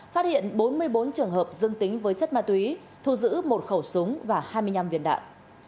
phát hiện bốn mươi bốn trường hợp dương tính với chất ma túy thu giữ một khẩu súng và hai mươi năm viên đạn